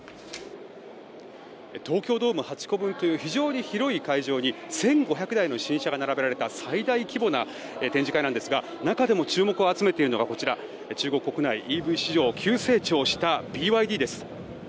東京ドーム８個分という非常に広い会場に１５００台の新車が並べられた最大規模の展示会なんですが中でも注目を集めているのがこちら、中国国内ＥＶ市場急成長したＢＹＤです。